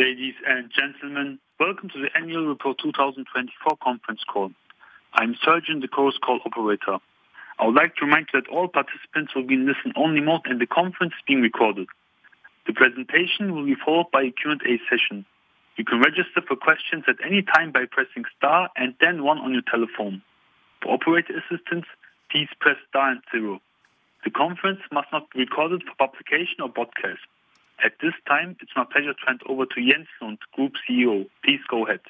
Ladies and gentlemen, welcome to the Annual Report 2024 conference call. I'm Sergeant, the Chorus Call operator. I would like to remind you that all participants will be in listening only mode, and the conference is being recorded. The presentation will be followed by a Q&A session. You can register for questions at any time by pressing star and then one on your telephone. For operator assistance, please press star and zero. The conference must not be recorded for publication or broadcast. At this time, it's my pleasure to hand over to Jens Lund, Group CEO. Please go ahead.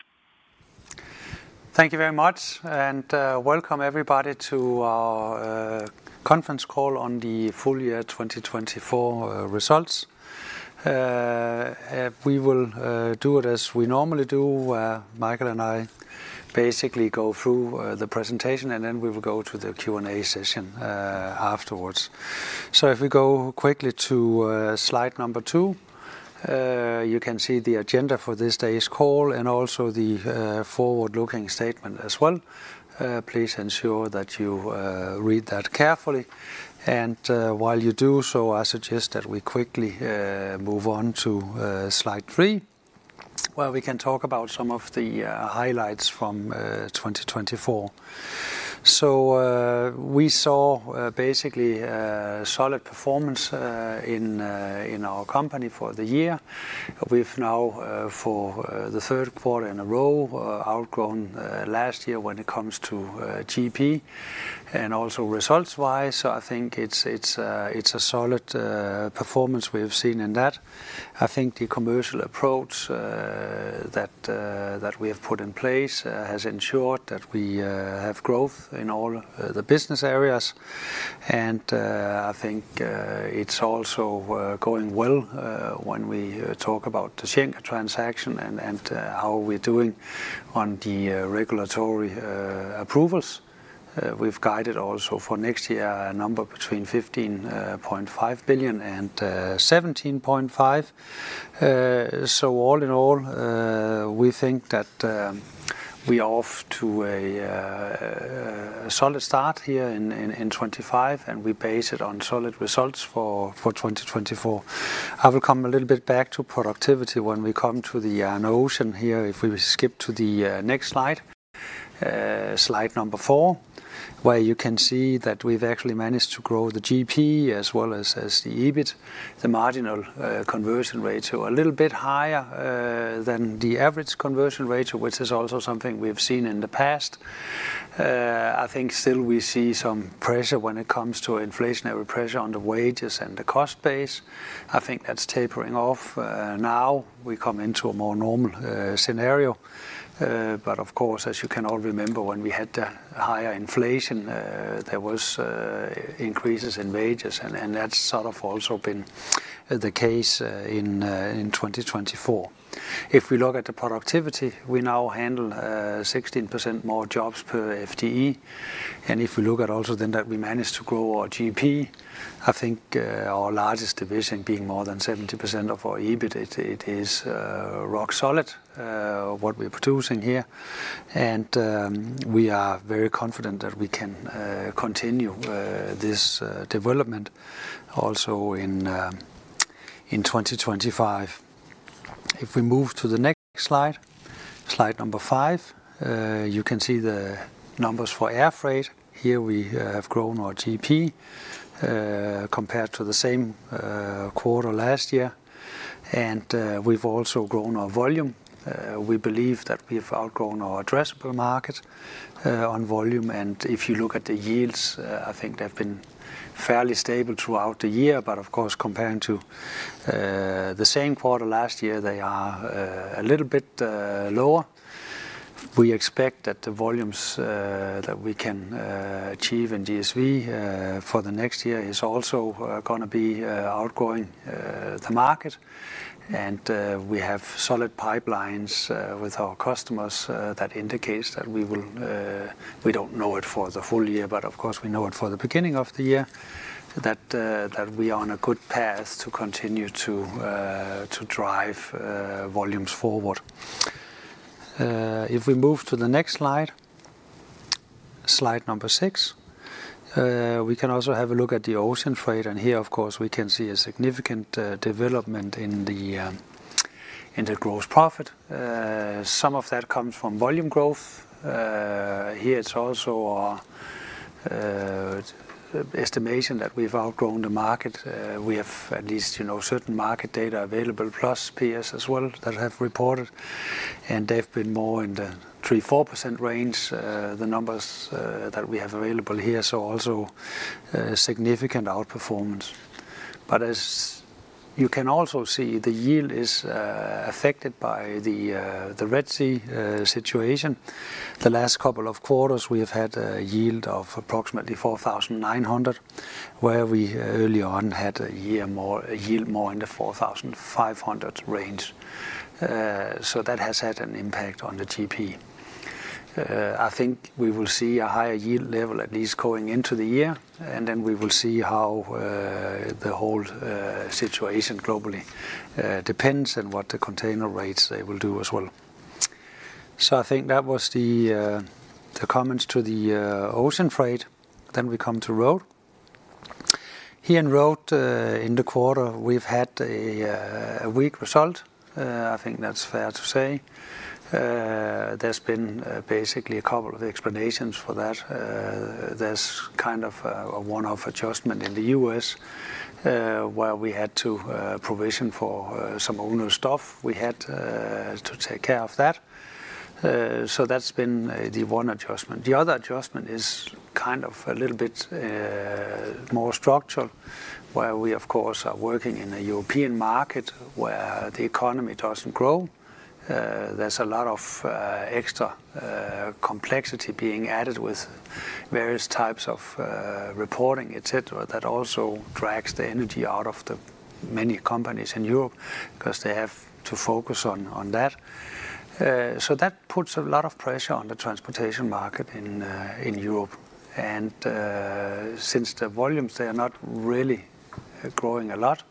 Thank you very much, and welcome everybody to our conference call on the full year 2024 results. We will do it as we normally do, where Michael and I basically go through the presentation, and then we will go to the Q&A session afterwards. So if we go quickly to slide number two, you can see the agenda for this day's call and also the forward-looking statement as well. Please ensure that you read that carefully. And while you do so, I suggest that we quickly move on to slide three, where we can talk about some of the highlights from 2024. So we saw basically solid performance in our company for the year. We've now, for the third quarter in a row, outgrown last year when it comes to GP and also results-wise. So I think it's a solid performance we have seen in that. I think the commercial approach that we have put in place has ensured that we have growth in all the business areas. And I think it's also going well when we talk about the Schenker transaction and how we're doing on the regulatory approvals. We've guided also for next year a number between 15.5 billion and 17.5 billion. So all in all, we think that we are off to a solid start here in 2025, and we base it on solid results for 2024. I will come a little bit back to productivity when we come to the notion here if we skip to the next slide, slide number four, where you can see that we've actually managed to grow the GP as well as the EBIT, the marginal conversion ratio a little bit higher than the average conversion ratio, which is also something we've seen in the past. I think still we see some pressure when it comes to inflationary pressure on the wages and the cost base. I think that's tapering off. Now we come into a more normal scenario. But of course, as you can all remember, when we had the higher inflation, there were increases in wages, and that's sort of also been the case in 2024. If we look at the productivity, we now handle 16% more jobs per FTE. And if we look at also then that we managed to grow our GP, I think our largest division being more than 70% of our EBIT, it is rock solid what we're producing here. And we are very confident that we can continue this development also in 2025. If we move to the next slide, slide number five, you can see the numbers for air freight. Here we have grown our GP compared to the same quarter last year, and we've also grown our volume. We believe that we have outgrown our addressable market on volume, and if you look at the yields, I think they've been fairly stable throughout the year, but of course, compared to the same quarter last year, they are a little bit lower. We expect that the volumes that we can achieve in DSV for the next year is also going to be outgrowing the market, and we have solid pipelines with our customers that indicate that we don't know it for the full year, but of course we know it for the beginning of the year, that we are on a good path to continue to drive volumes forward. If we move to the next slide, slide number six, we can also have a look at the ocean freight. And here, of course, we can see a significant development in the gross profit. Some of that comes from volume growth. Here it's also our estimation that we've outgrown the market. We have at least certain market data available, plus peers as well that have reported. And they've been more in the 3%-4% range, the numbers that we have available here. So also significant outperformance. But as you can also see, the yield is affected by the Red Sea situation. The last couple of quarters we have had a yield of approximately 4,900, where we early on had a yield more in the 4,500 range. So that has had an impact on the GP. I think we will see a higher yield level at least going into the year, and then we will see how the whole situation globally depends and what the container rates they will do as well. So I think that was the comments to the ocean freight. Then we come to Road. Here in Road, in the quarter, we've had a weak result. I think that's fair to say. There's been basically a couple of explanations for that. There's kind of a one-off adjustment in the U.S. where we had to provision for some owner stuff we had to take care of that. So that's been the one adjustment. The other adjustment is kind of a little bit more structural, where we of course are working in a European market where the economy doesn't grow. There's a lot of extra complexity being added with various types of reporting, et cetera, that also drags the energy out of the many companies in Europe because they have to focus on that. So that puts a lot of pressure on the transportation market in Europe. Since the volumes, they are not really growing a lot,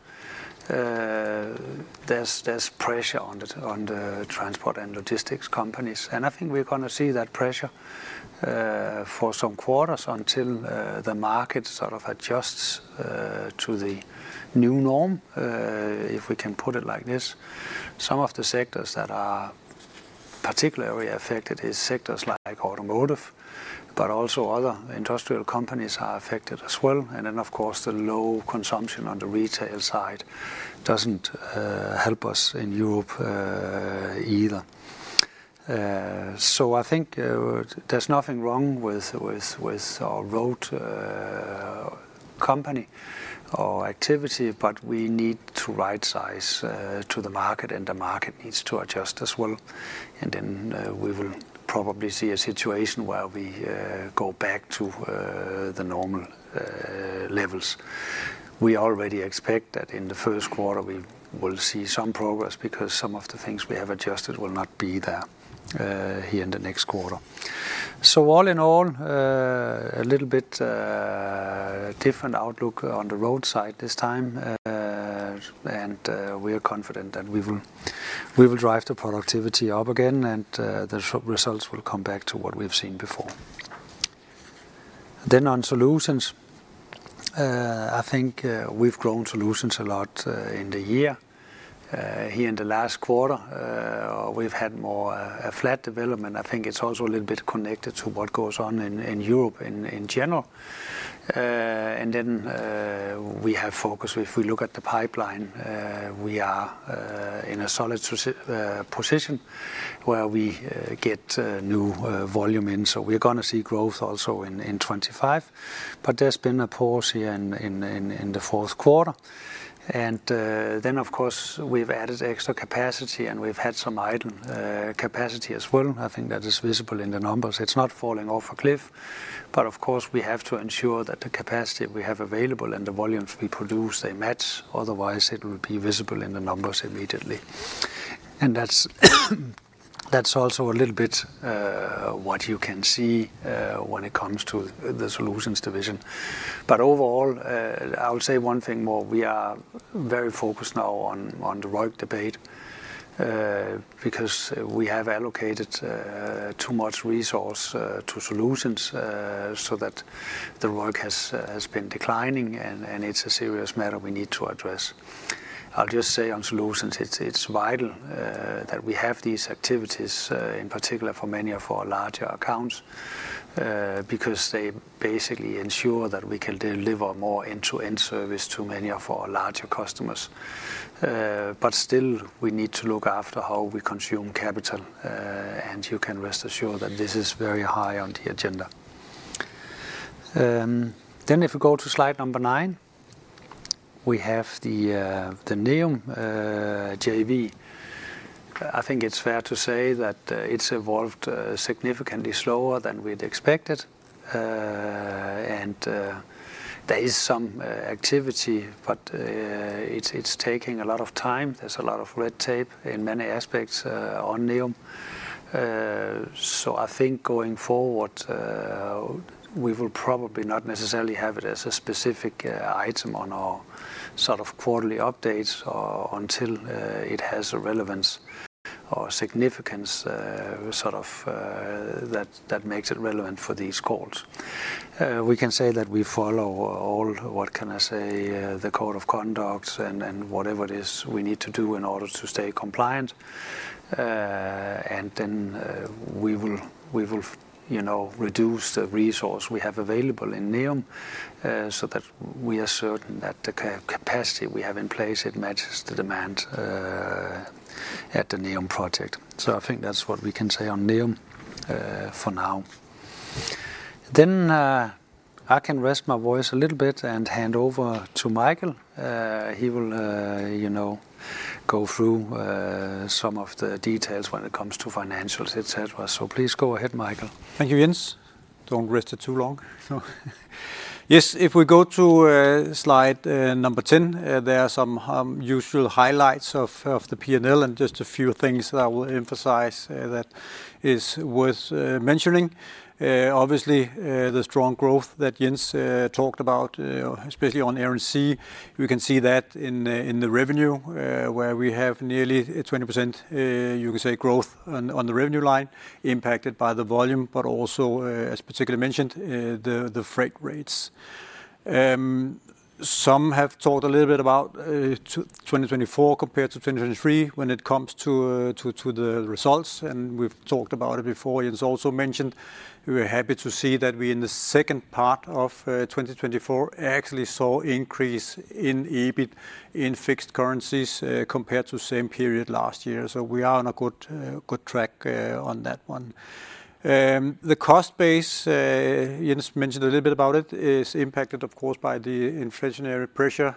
there's pressure on the transport and logistics companies. I think we're going to see that pressure for some quarters until the market sort of adjusts to the new norm, if we can put it like this. Some of the sectors that are particularly affected are sectors like automotive, but also other industrial companies are affected as well. Then of course, the low consumption on the retail side doesn't help us in Europe either. I think there's nothing wrong with our road company or activity, but we need to right-size to the market, and the market needs to adjust as well. Then we will probably see a situation where we go back to the normal levels. We already expect that in the first quarter we will see some progress because some of the things we have adjusted will not be there here in the next quarter. So all in all, a little bit different outlook on the Road side this time. And we are confident that we will drive the productivity up again, and the results will come back to what we've seen before. Then on Solutions, I think we've grown Solutions a lot in the year. Here in the last quarter, we've had more a flat development. I think it's also a little bit connected to what goes on in Europe in general. And then we have focused. If we look at the pipeline, we are in a solid position where we get new volume in. So we're going to see growth also in 2025. But there's been a pause here in the fourth quarter. And then of course, we've added extra capacity, and we've had some idle capacity as well. I think that is visible in the numbers. It's not falling off a cliff. But of course, we have to ensure that the capacity we have available and the volumes we produce, they match. Otherwise, it will be visible in the numbers immediately. And that's also a little bit what you can see when it comes to the Solutions division. But overall, I will say one thing more. We are very focused now on the Road debate because we have allocated too much resource to Solutions so that the Road has been declining, and it's a serious matter we need to address. I'll just say on Solutions, it's vital that we have these activities, in particular for many of our larger accounts, because they basically ensure that we can deliver more end-to-end service to many of our larger customers, but still, we need to look after how we consume capital, and you can rest assured that this is very high on the agenda, then if we go to slide number nine, we have the NEOM JV. I think it's fair to say that it's evolved significantly slower than we'd expected, and there is some activity, but it's taking a lot of time. There's a lot of red tape in many aspects on NEOM, so I think going forward, we will probably not necessarily have it as a specific item on our sort of quarterly updates until it has a relevance or significance sort of that makes it relevant for these calls. We can say that we follow all, what can I say, the code of conduct and whatever it is we need to do in order to stay compliant. And then we will reduce the resource we have available in NEOM so that we are certain that the capacity we have in place, it matches the demand at the NEOM project. So I think that's what we can say on NEOM for now. Then I can rest my voice a little bit and hand over to Michael. He will go through some of the details when it comes to financials, et cetera. So please go ahead, Michael. Thank you, Jens. Don't rest it too long. Yes, if we go to slide number 10, there are some usual highlights of the P&L and just a few things that I will emphasize that is worth mentioning. Obviously, the strong growth that Jens talked about, especially on Air & Sea, we can see that in the revenue where we have nearly 20%, you can say, growth on the revenue line impacted by the volume, but also, as particularly mentioned, the freight rates. Some have talked a little bit about 2024 compared to 2023 when it comes to the results. And we've talked about it before. Jens also mentioned we're happy to see that we in the second part of 2024 actually saw increase in EBIT in fixed currencies compared to same period last year. So we are on a good track on that one. The cost base, Jens mentioned a little bit about it, is impacted, of course, by the inflationary pressure,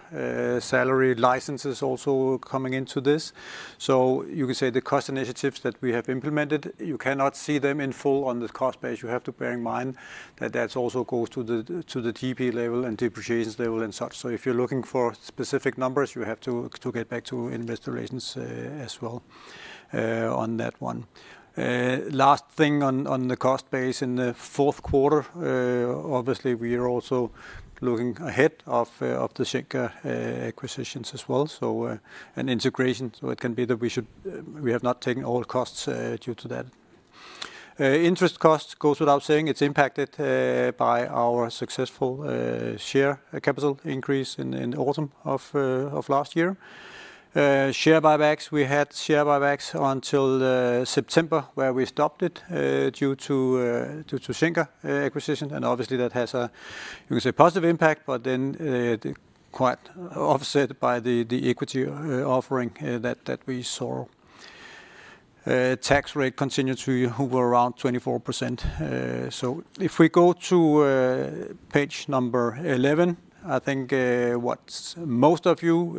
salary increases also coming into this. So you can say the cost initiatives that we have implemented, you cannot see them in full on the cost base. You have to bear in mind that that also goes to the GP level and depreciation level and such. So if you're looking for specific numbers, you have to get back to investor relations as well on that one. Last thing on the cost base in the fourth quarter, obviously we are also looking ahead of the Schenker acquisition as well. So an integration, so it can be that we have not taken all costs due to that. Interest costs goes without saying. It's impacted by our successful share capital increase in the autumn of last year. Share buybacks, we had share buybacks until September where we stopped it due to Schenker acquisition. And obviously that has a, you can say, positive impact, but then quite offset by the equity offering that we saw. Tax rate continued to hover around 24%. So if we go to page number 11, I think what most of you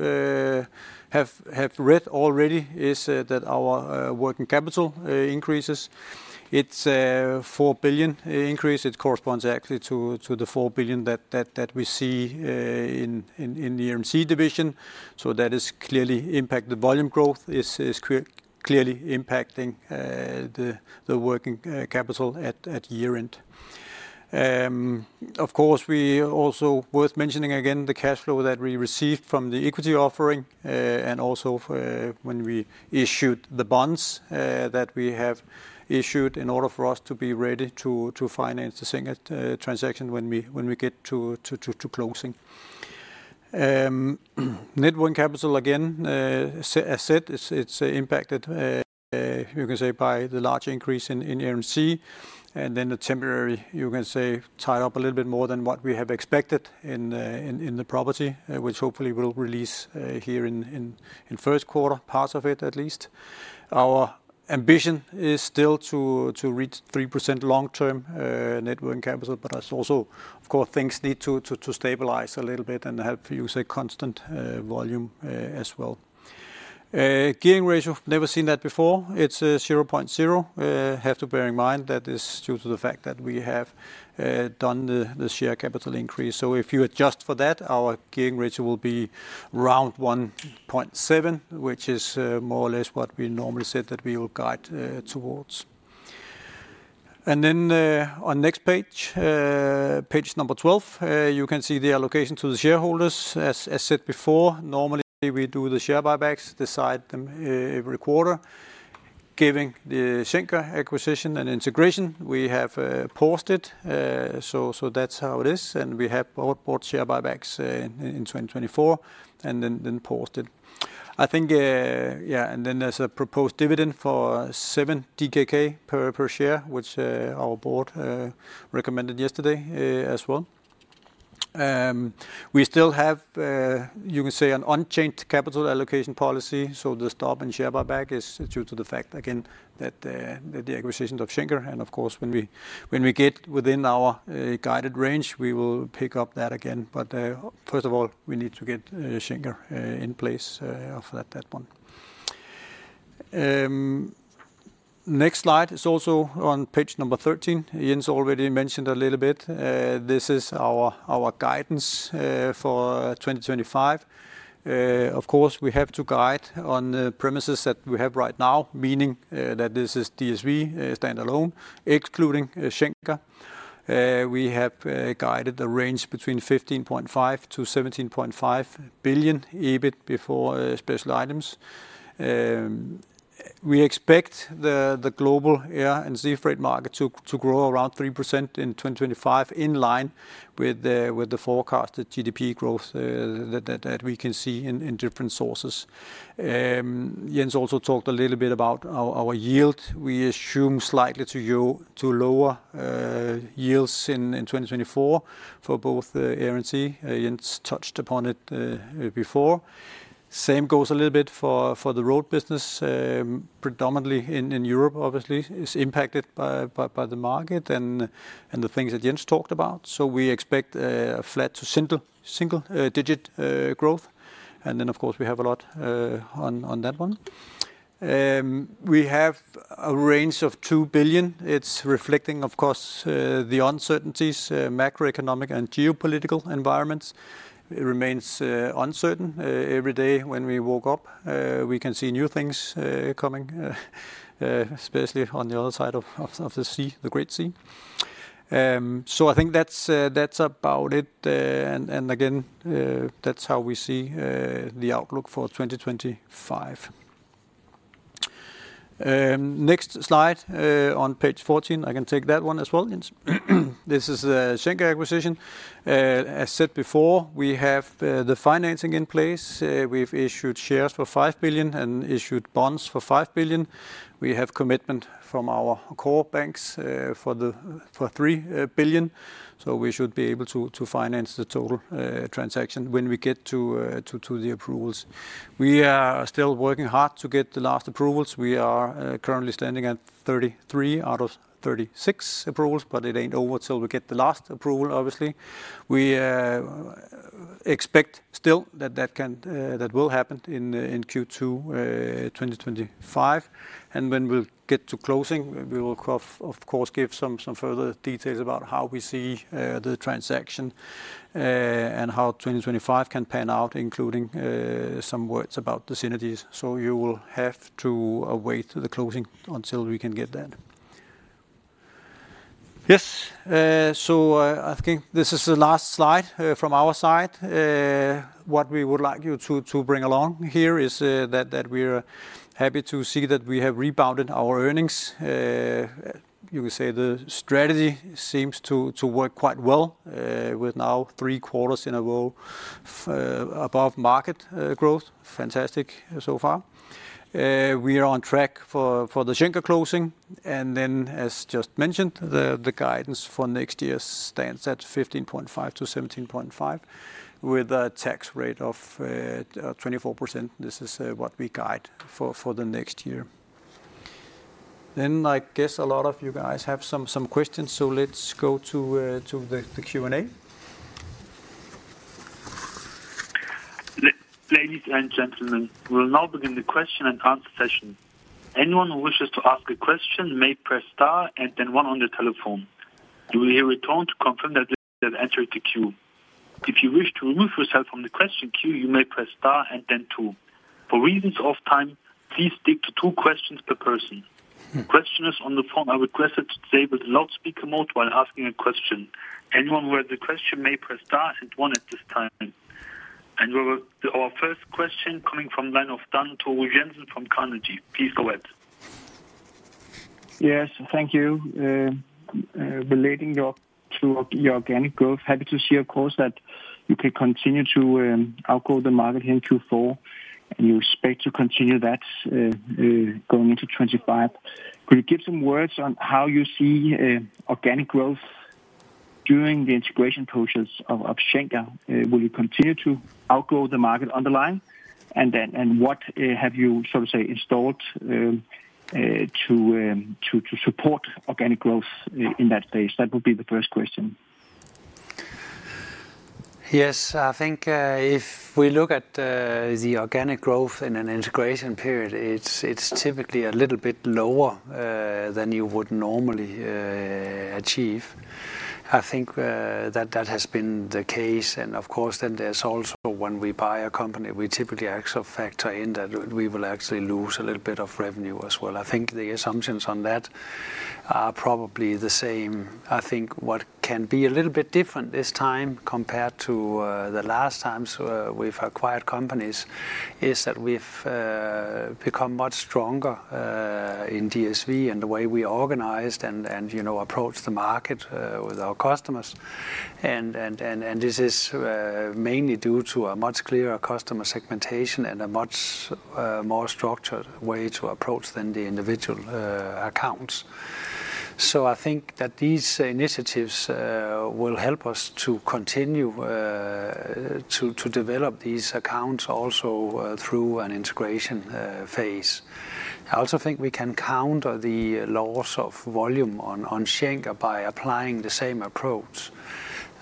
have read already is that our working capital increases. It's a 4 billion increase. It corresponds actually to the 4 billion that we see in the Air & Sea division. So that is clearly impacted. Volume growth is clearly impacting the working capital at year end. Of course, we also worth mentioning again the cash flow that we received from the equity offering and also when we issued the bonds that we have issued in order for us to be ready to finance the Schenker transaction when we get to closing. Net working capital again, as said, it's impacted, you can say, by the large increase in Air & Sea. And then the temporary, you can say, tied up a little bit more than what we have expected in the property, which hopefully will release here in first quarter, parts of it at least. Our ambition is still to reach 3% long-term net working capital, but that's also, of course, things need to stabilize a little bit and help, you can say, constant volume as well. Gearing ratio, never seen that before. It's 0.0. Have to bear in mind that is due to the fact that we have done the share capital increase. So if you adjust for that, our gearing ratio will be around 1.7, which is more or less what we normally said that we will guide towards. Then on next page, page 12, you can see the allocation to the shareholders. As said before, normally we do the share buybacks, decide them every quarter. Given the Schenker acquisition and integration, we have postponed. That's how it is. We have both bought share buybacks in 2024 and then postponed. I think, yeah, and then there's a proposed dividend for 7 DKK per share, which our board recommended yesterday as well. We still have, you can say, an unchanged capital allocation policy. The stop on share buyback is due to the fact, again, that the acquisition of Schenker. Of course, when we get within our guided range, we will pick up that again. First of all, we need to get Schenker in place for that one. Next slide is also on page 13. Jens already mentioned a little bit. This is our guidance for 2025. Of course, we have to guide on the premises that we have right now, meaning that this is DSV standalone, excluding Schenker. We have guided the range between 15.5 billion-17.5 billion EBIT before special items. We expect the global air and sea market to grow around 3% in 2025 in line with the forecasted GDP growth that we can see in different sources. Jens also talked a little bit about our yield. We assume slightly to lower yields in 2024 for both air and sea. Jens touched upon it before. Same goes a little bit for the road business, predominantly in Europe, obviously is impacted by the market and the things that Jens talked about. So we expect a flat to single digit growth. And then of course, we have a lot on that one. We have a range of 2 billion. It's reflecting, of course, the uncertainties, macroeconomic and geopolitical environments. It remains uncertain. Every day when we walk up, we can see new things coming, especially on the other side of the sea, the Red Sea. So I think that's about it. And again, that's how we see the outlook for 2025. Next slide on page 14, I can take that one as well, Jens. This is DB Schenker acquisition. As said before, we have the financing in place. We've issued shares for 5 billion and issued bonds for 5 billion. We have commitment from our core banks for 3 billion. So we should be able to finance the total transaction when we get to the approvals. We are still working hard to get the last approvals. We are currently standing at 33 out of 36 approvals, but it ain't over till we get the last approval, obviously. We expect still that that will happen in Q2 2025, and when we'll get to closing, we will, of course, give some further details about how we see the transaction and how 2025 can pan out, including some words about the synergies, so you will have to wait to the closing until we can get that. Yes, so I think this is the last slide from our side. What we would like you to bring along here is that we're happy to see that we have rebounded our earnings. You can say the strategy seems to work quite well with now three quarters in a row above market growth. Fantastic so far. We are on track for the Schenker closing, and then, as just mentioned, the guidance for next year stands at 15.5-17.5 with a tax rate of 24%. This is what we guide for the next year. I guess a lot of you guys have some questions. Let's go to the Q&A. Ladies and gentlemen, we will now begin the question and answer session. Anyone who wishes to ask a question may press star and then one on the telephone. You will hear a tone to confirm that the speaker has entered the queue. If you wish to remove yourself from the question queue, you may press star and then two. For reasons of time, please stick to two questions per person. Questioners on the phone are requested to disable the loudspeaker mode while asking a question. Anyone who has a question may press star and one at this time, and our first question coming from line of Dan Togo Jensen from Carnegie. Please go ahead. Yes, thank you. Relating to your organic growth, happy to see, of course, that you can continue to outgrow the market here in Q4, and you expect to continue that going into 2025. Could you give some words on how you see organic growth during the integration purchase of Schenker? Will you continue to outgrow the market on the line? And what have you sort of say installed to support organic growth in that space? That would be the first question. Yes, I think if we look at the organic growth in an integration period, it's typically a little bit lower than you would normally achieve. I think that has been the case. And of course, then there's also when we buy a company, we typically actually factor in that we will actually lose a little bit of revenue as well. I think the assumptions on that are probably the same. I think what can be a little bit different this time compared to the last times we've acquired companies is that we've become much stronger in DSV and the way we organized and approached the market with our customers. And this is mainly due to a much clearer customer segmentation and a much more structured way to approach than the individual accounts. So I think that these initiatives will help us to continue to develop these accounts also through an integration phase. I also think we can counter the loss of volume on Schenker by applying the same approach.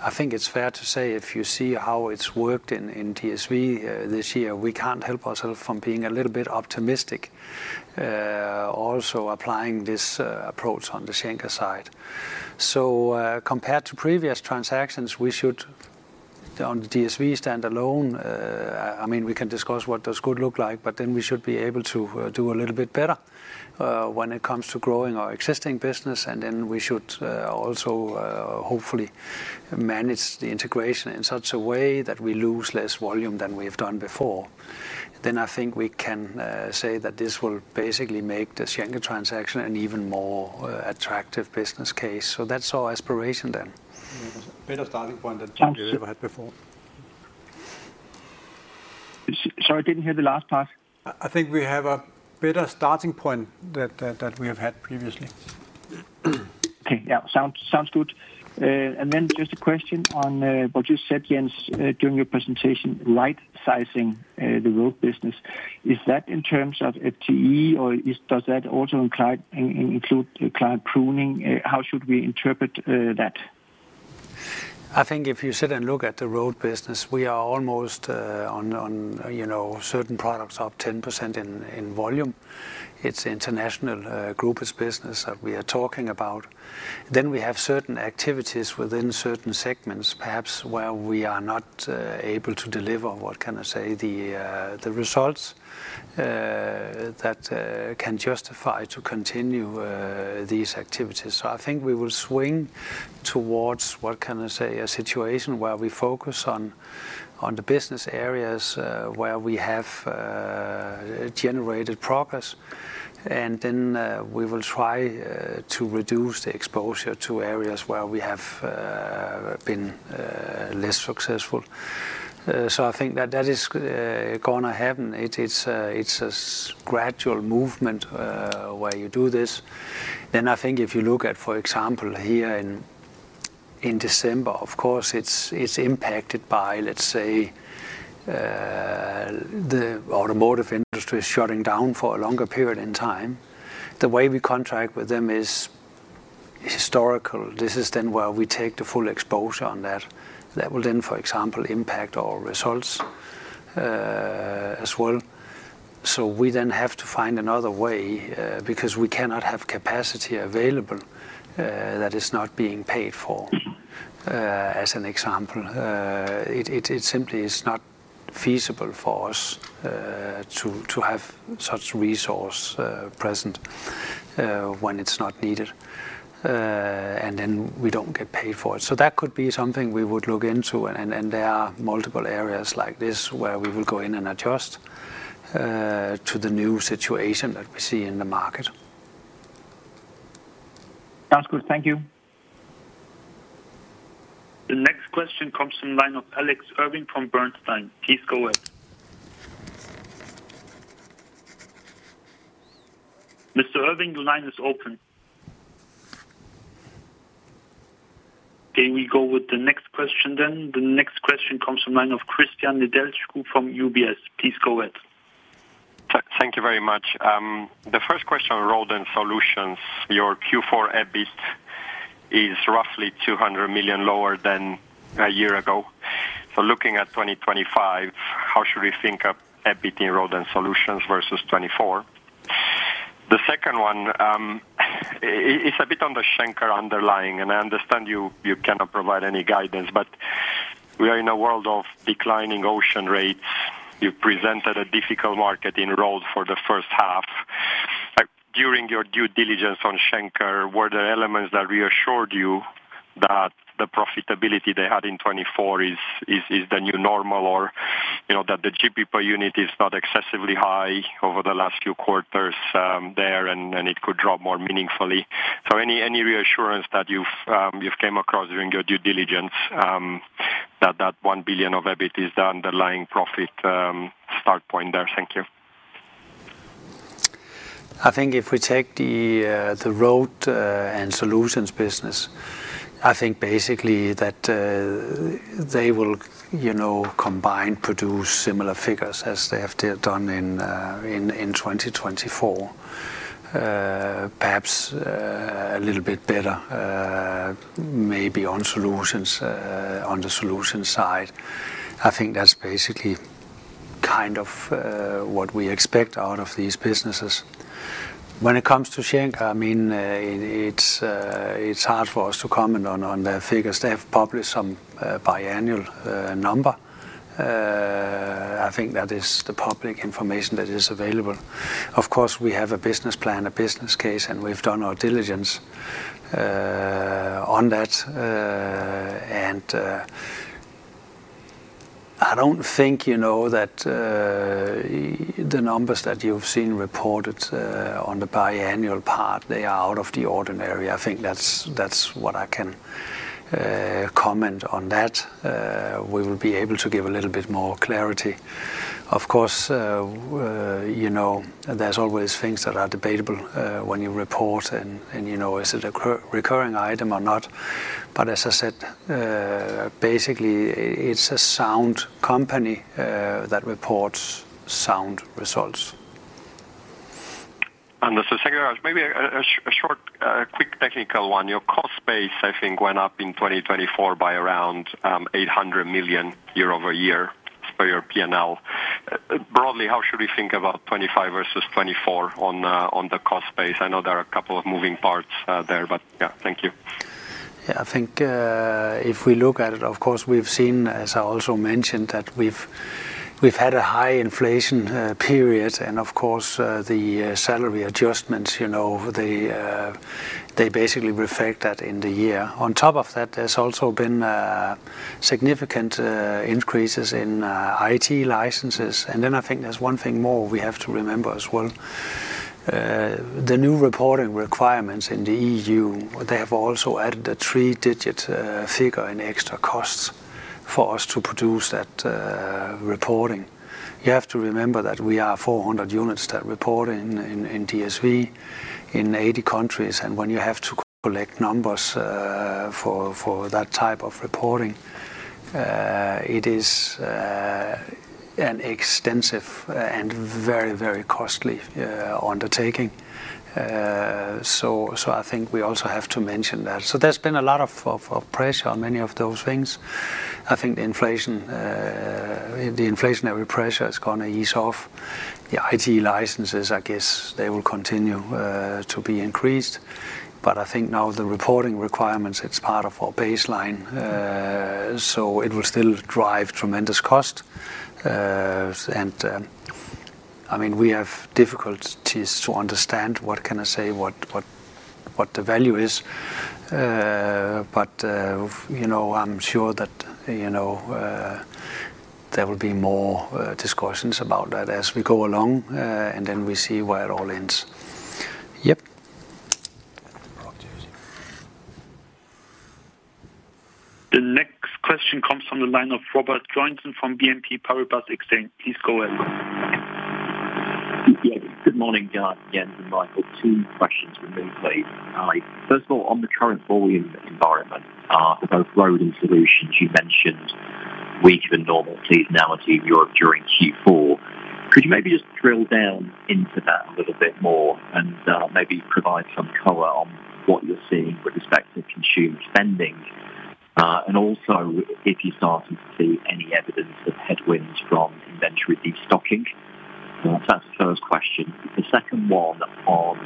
I think it's fair to say if you see how it's worked in DSV this year, we can't help ourselves from being a little bit optimistic also applying this approach on the Schenker side. So compared to previous transactions, we should on the DSV standalone, I mean, we can discuss what does good look like, but then we should be able to do a little bit better when it comes to growing our existing business. And then we should also hopefully manage the integration in such a way that we lose less volume than we have done before. Then I think we can say that this will basically make the Schenker transaction an even more attractive business case. So that's our aspiration then. Better starting point than you ever had before. Sorry, I didn't hear the last part. I think we have a better starting point than we have had previously. Okay, yeah, sounds good. And then just a question on what you said, Jens, during your presentation, right-sizing the road business. Is that in terms of FTE or does that also include client pruning? How should we interpret that? I think if you sit and look at the road business, we are almost on certain products up 10% in volume. It's an international group of business that we are talking about. Then we have certain activities within certain segments, perhaps where we are not able to deliver, what can I say, the results that can justify to continue these activities. So I think we will swing towards what can I say, a situation where we focus on the business areas where we have generated progress. And then we will try to reduce the exposure to areas where we have been less successful. So I think that that is going to happen. It's a gradual movement where you do this. Then I think if you look at, for example, here in December, of course, it's impacted by, let's say, the automotive industry shutting down for a longer period in time. The way we contract with them is historical. This is then where we take the full exposure on that. That will then, for example, impact our results as well. So we then have to find another way because we cannot have capacity available that is not being paid for, as an example. It simply is not feasible for us to have such resource present when it's not needed. And then we don't get paid for it. So that could be something we would look into. And there are multiple areas like this where we will go in and adjust to the new situation that we see in the market. Sounds good. Thank you. The next question comes from line of Alex Irving from Bernstein. Please go ahead. Mr. Irving, your line is open. Okay, we go with the next question then. The next question comes from line of Cristian Nedelcu from UBS. Please go ahead. Thank you very much. The first question on Road and Solutions, your Q4 EBIT is roughly 200 million lower than a year ago. So looking at 2025, how should we think of EBIT in Road and Solutions versus 2024? The second one, it's a bit on the Schenker underlying, and I understand you cannot provide any guidance, but we are in a world of declining ocean rates. You presented a difficult market in Roads for the first half. During your due diligence on Schenker, were there elements that reassured you that the profitability they had in 2024 is the new normal or that the GP per unit is not excessively high over the last few quarters there and it could drop more meaningfully? So any reassurance that you've came across during your due diligence that that 1 billion of EBIT is the underlying profit start point there? Thank you. I think if we take the Road and Solutions business, I think basically that they will combine, produce similar figures as they have done in 2024. Perhaps a little bit better, maybe on the Solutions side. I think that's basically kind of what we expect out of these businesses. When it comes to Schenker, I mean, it's hard for us to comment on their figures. They have published some biannual number. I think that is the public information that is available. Of course, we have a business plan, a business case, and we've done our diligence on that, and I don't think that the numbers that you've seen reported on the biannual part, they are out of the ordinary. I think that's what I can comment on that. We will be able to give a little bit more clarity. Of course, there's always things that are debatable when you report, and is it a recurring item or not. But as I said, basically, it's a sound company that reports sound results. Schenker, maybe a short, quick technical one. Your cost base, I think, went up in 2024 by around 800 million a year for your P&L. Broadly, how should we think about 2025 versus 2024 on the cost base? I know there are a couple of moving parts there, but yeah, thank you. Yeah, I think if we look at it, of course, we've seen, as I also mentioned, that we've had a high inflation period, and of course, the salary adjustments, they basically reflect that in the year. On top of that, there's also been significant increases in IT licenses, and then I think there's one thing more we have to remember as well. The new reporting requirements in the EU, they have also added a three-digit figure in extra costs for us to produce that reporting. You have to remember that we are 400 units that report in DSV in 80 countries, and when you have to collect numbers for that type of reporting, it is an extensive and very, very costly undertaking, so I think we also have to mention that, so there's been a lot of pressure on many of those things. I think the inflationary pressure is going to ease off. The IT licenses, I guess they will continue to be increased. But I think now the reporting requirements, it's part of our baseline. So it will still drive tremendous cost. And I mean, we have difficulties to understand what can I say, what the value is. But I'm sure that there will be more discussions about that as we go along and then we see where it all ends. Yep. The next question comes from the line of Robert Joynson from BNP Paribas Exane. Please go ahead. Yes, good morning, Jens and Michael. Two questions from both of you. First of all, on the current volume environment for both Road and Solutions, you mentioned weaker normal seasonality in Europe during Q4. Could you maybe just drill down into that a little bit more and maybe provide some color on what you're seeing with respect to consumer spending? And also, if you started to see any evidence of headwinds from inventory destocking? So that's the first question. The second one on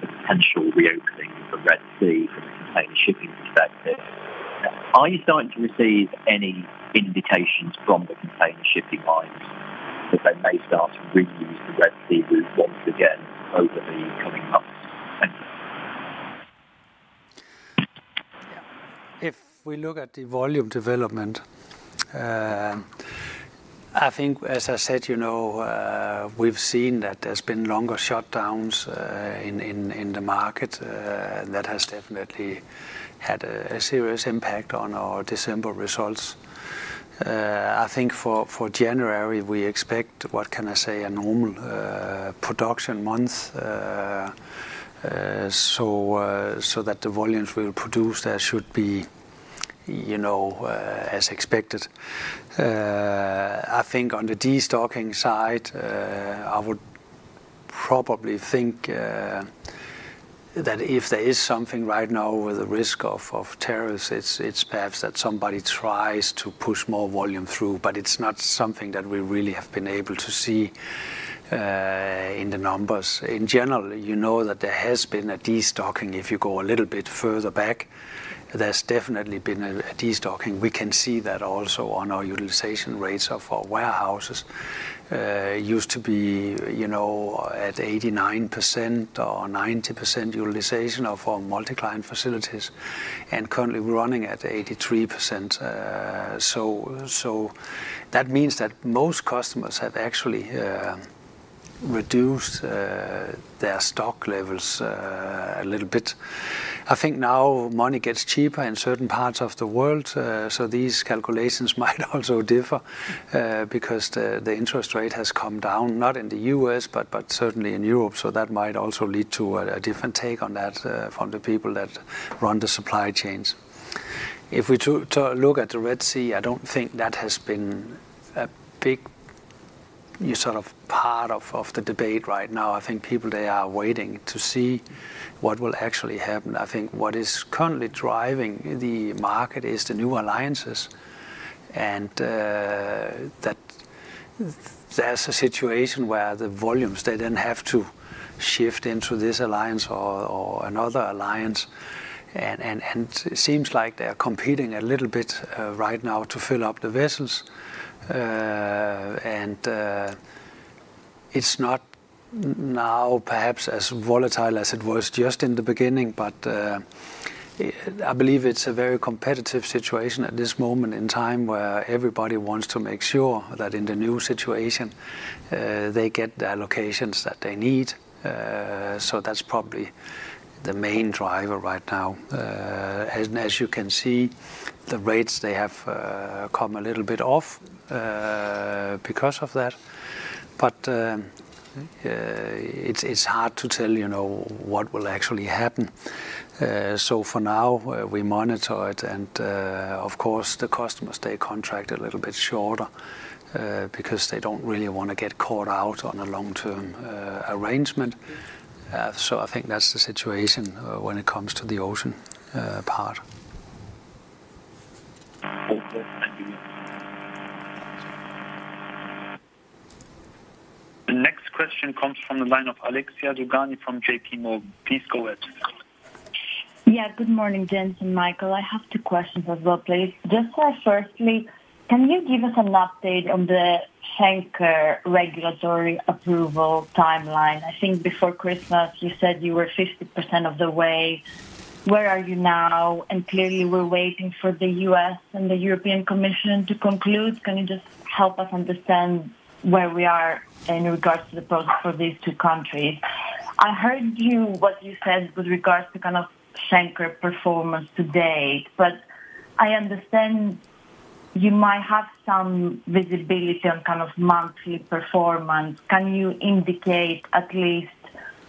the potential reopening of the Red Sea from a container shipping perspective, are you starting to receive any indications from the container shipping lines that they may start to reuse the Red Sea route once again over the coming months? Thank you. Yeah, if we look at the volume development, I think, as I said, we've seen that there's been longer shutdowns in the market. That has definitely had a serious impact on our December results. I think for January, we expect, what can I say, a normal production month so that the volumes we will produce there should be as expected. I think on the destocking side, I would probably think that if there is something right now with the risk of tariffs, it's perhaps that somebody tries to push more volume through, but it's not something that we really have been able to see in the numbers. In general, you know that there has been a destocking. If you go a little bit further back, there's definitely been a destocking. We can see that also on our utilization rates of our warehouses. It used to be at 89% or 90% utilization of our multi-client facilities and currently we're running at 83%. So that means that most customers have actually reduced their stock levels a little bit. I think now money gets cheaper in certain parts of the world. So these calculations might also differ because the interest rate has come down, not in the U.S., but certainly in Europe. So that might also lead to a different take on that from the people that run the supply chains. If we look at the Red Sea, I don't think that has been a big sort of part of the debate right now. I think people, they are waiting to see what will actually happen. I think what is currently driving the market is the new alliances. And that there's a situation where the volumes, they then have to shift into this alliance or another alliance. And it seems like they are competing a little bit right now to fill up the vessels. And it's not now perhaps as volatile as it was just in the beginning, but I believe it's a very competitive situation at this moment in time where everybody wants to make sure that in the new situation, they get the allocations that they need. So that's probably the main driver right now. As you can see, the rates, they have come a little bit off because of that. But it's hard to tell what will actually happen. So for now, we monitor it. And of course, the customers, they contract a little bit shorter because they don't really want to get caught out on a long-term arrangement. I think that's the situation when it comes to the ocean part. The next question comes from the line of Alexia Dogani from JPMorgan. Please go ahead. Yeah, good morning, Jens and Michael. I have two questions as well, please. Just firstly, can you give us an update on the Schenker regulatory approval timeline? I think before Christmas, you said you were 50% of the way. Where are you now? And clearly, we're waiting for the U.S. and the European Commission to conclude. Can you just help us understand where we are in regards to the process for these two countries? I heard what you said with regards to kind of Schenker performance to date, but I understand you might have some visibility on kind of monthly performance. Can you indicate at least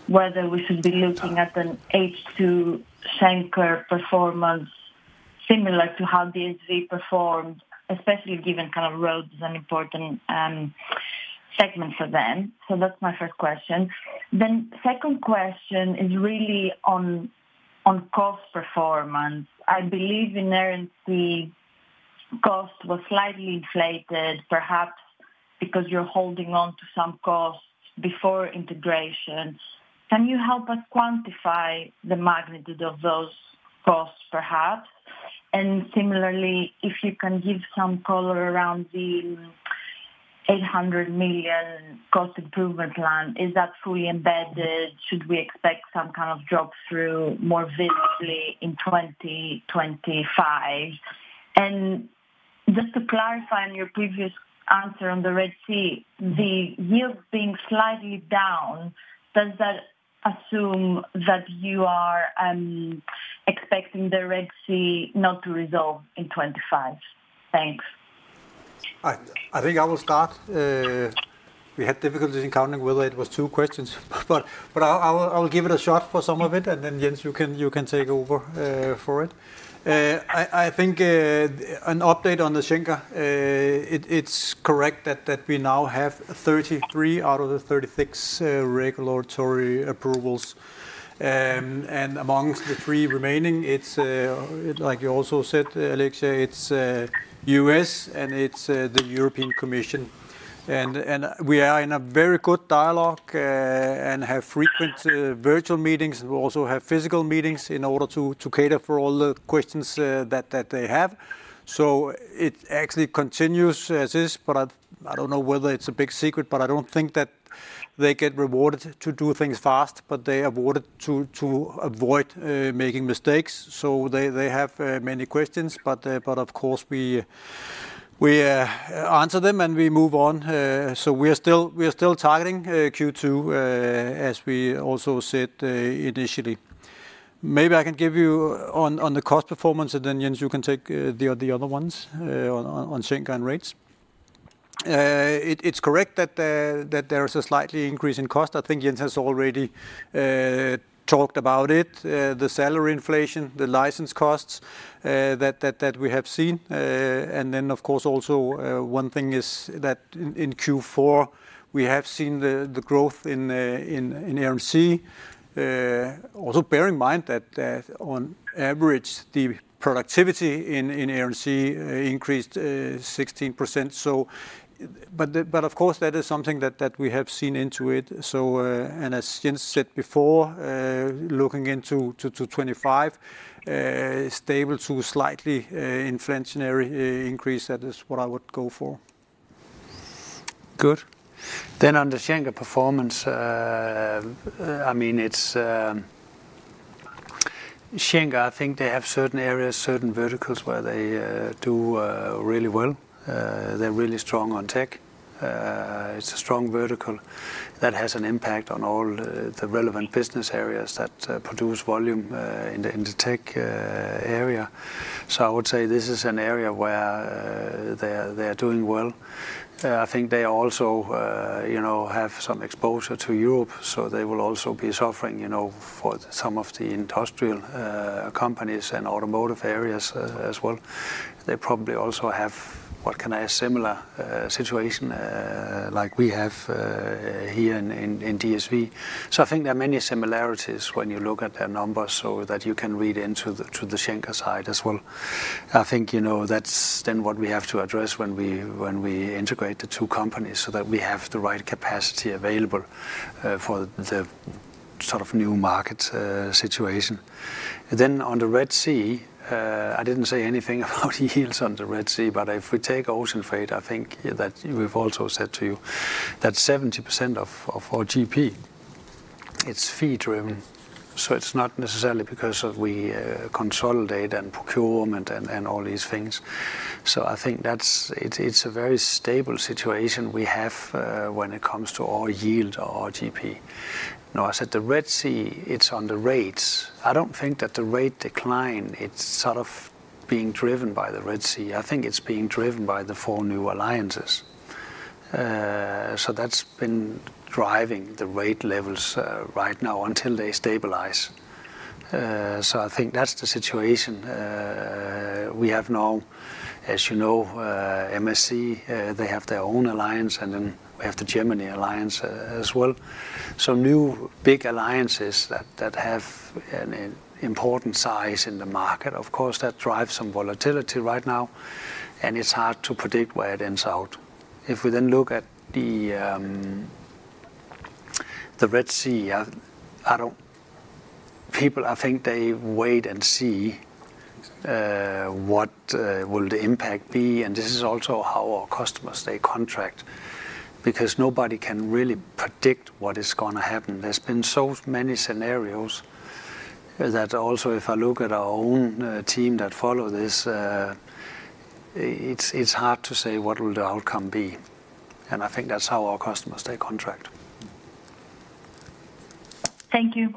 whether we should be looking at an H2 Schenker performance similar to how DSV performed, especially given kind of Road is an important segment for them? So that's my first question. Then second question is really on cost performance. I believe inherently cost was slightly inflated, perhaps because you're holding on to some costs before integration. Can you help us quantify the magnitude of those costs, perhaps? And similarly, if you can give some color around the 800 million cost improvement plan, is that fully embedded? Should we expect some kind of drop through more visibly in 2025? And just to clarify on your previous answer on the Red Sea, the yields being slightly down, does that assume that you are expecting the Red Sea not to resolve in 2025? Thanks. I think I will start. We had difficulties in counting whether it was two questions, but I'll give it a shot for some of it, and then Jens, you can take over for it. I think an update on the Schenker. It's correct that we now have 33 out of the 36 regulatory approvals, and amongst the three remaining, it's, like you also said, Alexia, it's U.S. and it's the European Commission, and we are in a very good dialogue and have frequent virtual meetings. We also have physical meetings in order to cater for all the questions that they have, so it actually continues as is, but I don't know whether it's a big secret, but I don't think that they get rewarded to do things fast, but they are rewarded to avoid making mistakes. They have many questions, but of course, we answer them and we move on. We're still targeting Q2, as we also said initially. Maybe I can give you on the cost performance, and then Jens, you can take the other ones on Schenker and rates. It's correct that there is a slight increase in cost. I think Jens has already talked about it, the salary inflation, the license costs that we have seen. Then, of course, also one thing is that in Q4, we have seen the growth in AMC. Also bear in mind that on average, the productivity in AMC increased 16%. But of course, that is something that we have seen into it. As Jens said before, looking into 2025, stable to slightly inflationary increase, that is what I would go for. Good. Then, on the Schenker performance, I mean, Schenker, I think they have certain areas, certain verticals where they do really well. They're really strong on tech. It's a strong vertical that has an impact on all the relevant business areas that produce volume in the tech area. So I would say this is an area where they are doing well. I think they also have some exposure to Europe, so they will also be suffering for some of the industrial companies and automotive areas as well. They probably also have what can I say, similar situation like we have here in DSV. So I think there are many similarities when you look at their numbers so that you can read into the Schenker side as well. I think that's then what we have to address when we integrate the two companies so that we have the right capacity available for the sort of new market situation. Then on the Red Sea, I didn't say anything about yields on the Red Sea, but if we take ocean freight, I think that we've also said to you that 70% of our GP, it's fee-driven. So it's not necessarily because we consolidate and procurement and all these things. So I think it's a very stable situation we have when it comes to our yield or our GP. Now, I said the Red Sea, it's on the rates. I don't think that the rate decline, it's sort of being driven by the Red Sea. I think it's being driven by the four new alliances. So that's been driving the rate levels right now until they stabilize. So I think that's the situation. We have now, as you know, MSC. They have their own alliance, and then we have the Gemini alliance as well, so new big alliances that have an important size in the market. Of course, that drives some volatility right now, and it's hard to predict where it ends out. If we then look at the Red Sea, people, I think they wait and see what the impact will be. This is also how our customers, they contract because nobody can really predict what is going to happen. There's been so many scenarios that also, if I look at our own team that follow this, it's hard to say what the outcome will be. I think that's how our customers, they contract. Thank you.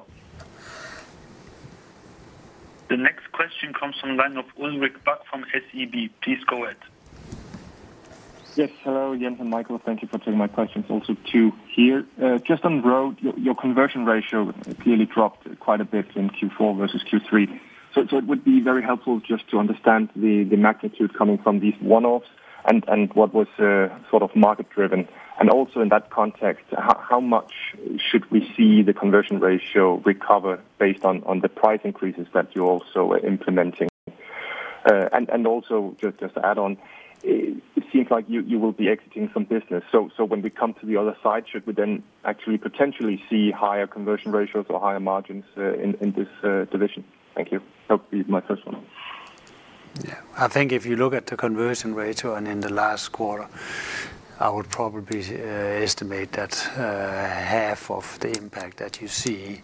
The next question comes from the line of Ulrik Bak from SEB. Please go ahead. Yes, hello, Jens and Michael. Thank you for taking my questions also too here. Just on Road, your conversion ratio clearly dropped quite a bit in Q4 versus Q3, so it would be very helpful just to understand the magnitude coming from these one-offs and what was sort of market-driven, and also in that context, how much should we see the conversion ratio recover based on the price increases that you're also implementing, and also just to add on, it seems like you will be exiting some business, so when we come to the other side, should we then actually potentially see higher conversion ratios or higher margins in this division? Thank you. That would be my first one. I think if you look at the conversion ratio and in the last quarter, I would probably estimate that half of the impact that you see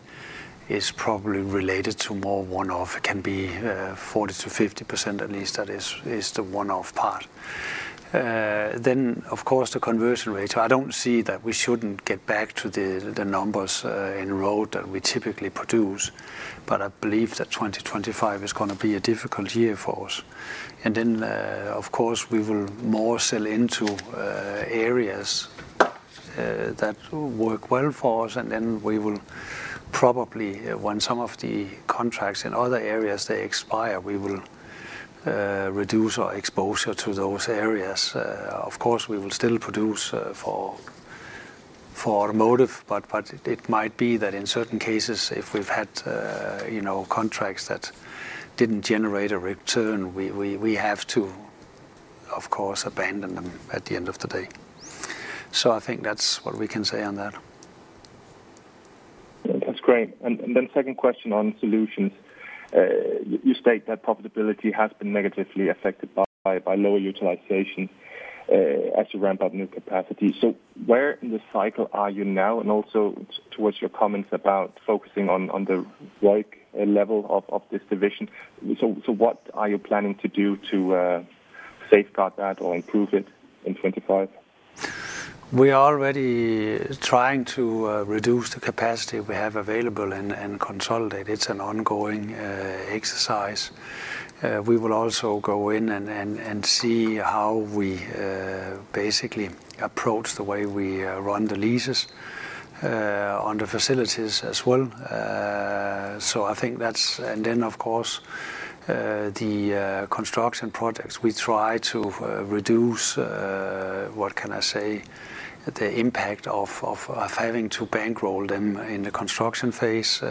is probably related to more one-off. It can be 40%-50%. At least that is the one-off part, then of course, the conversion ratio. I don't see that we shouldn't get back to the numbers in Road that we typically produce, but I believe that 2025 is going to be a difficult year for us, and then of course, we will sell more into areas that work well for us, and then we will probably, when some of the contracts in other areas, they expire, we will reduce our exposure to those areas. Of course, we will still produce for automotive, but it might be that in certain cases, if we've had contracts that didn't generate a return, we have to, of course, abandon them at the end of the day. So I think that's what we can say on that. That's great. And then second question on Solutions. You state that profitability has been negatively affected by lower utilization as you ramp up new capacity. So where in the cycle are you now? And also towards your comments about focusing on the right level of this division, so what are you planning to do to safeguard that or improve it in 2025? We are already trying to reduce the capacity we have available and consolidate. It's an ongoing exercise. We will also go in and see how we basically approach the way we run the leases on the facilities as well. So I think that's, and then, of course, the construction projects. We try to reduce, what can I say, the impact of having to bankroll them in the construction phase.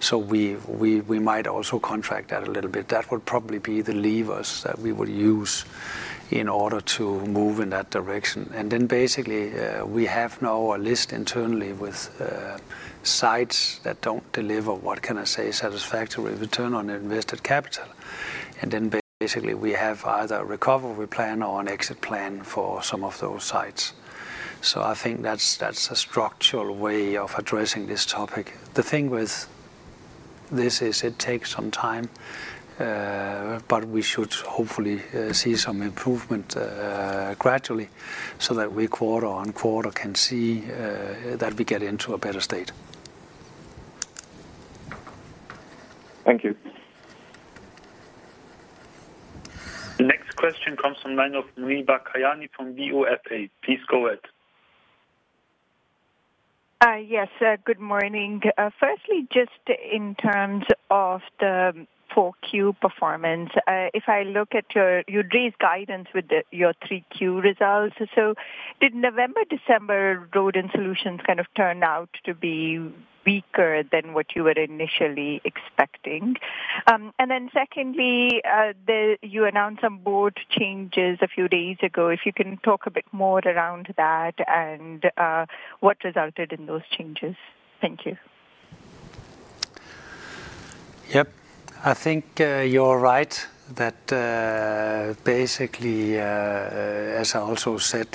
So we might also contract that a little bit. That would probably be the levers that we would use in order to move in that direction. And then basically, we have now a list internally with sites that don't deliver, what can I say, satisfactory return on invested capital. And then basically, we have either a recovery plan or an exit plan for some of those sites. So I think that's a structural way of addressing this topic. The thing with this is it takes some time, but we should hopefully see some improvement gradually so that we quarter on quarter can see that we get into a better state. Thank you. The next question comes from the line of Muneeba Kayani from BofA. Please go ahead. Yes, good morning. Firstly, just in terms of the Q4 performance, if I look at your raised guidance with your Q3 results, so did November, December, Road and Solutions kind of turn out to be weaker than what you were initially expecting? And then secondly, you announced some board changes a few days ago. If you can talk a bit more around that and what resulted in those changes? Thank you. Yep. I think you're right that basically, as I also said,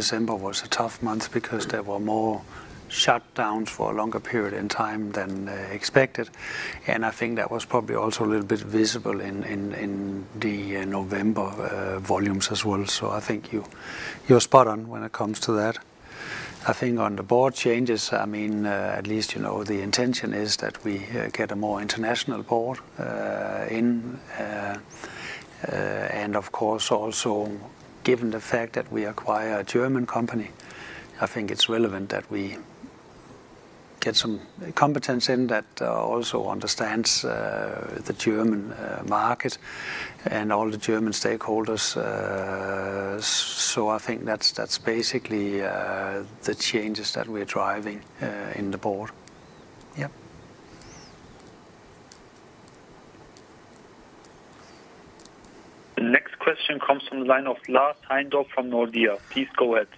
December was a tough month because there were more shutdowns for a longer period in time than expected, and I think that was probably also a little bit visible in the November volumes as well, so I think you're spot on when it comes to that. I think on the board changes, I mean, at least the intention is that we get a more international board in, and of course, also given the fact that we acquire a German company, I think it's relevant that we get some competence in that also understands the German market and all the German stakeholders, so I think that's basically the changes that we're driving in the board. Yep. The next question comes from the line of Lars Heindorff from Nordea. Please go ahead.